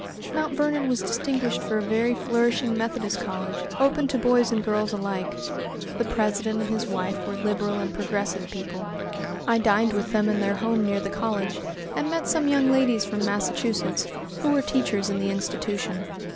Mt. Vernon was distinguished for a very flourishing Methodist college, open to boys and girls alike. The president and his wife were liberal and progressive people. I dined with them in their home near the college, and met some young ladies from Massachusetts, who were teachers in the institution.